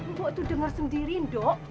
mbah itu dengar sendiri mbah